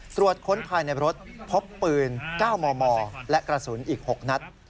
ตรวจค้นภายในรถพบปืน๙มมและกระสุนอีก๖นัด